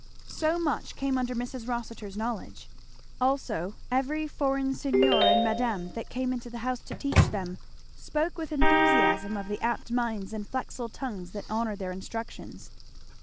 So much came under Mrs. Rossitur's knowledge. Also every foreign Signor and Madame that came into the house to teach them spoke with enthusiasm of the apt minds and flexile tongues that honoured their instructions.